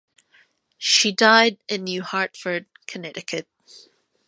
She died in New Hartford, Connecticut.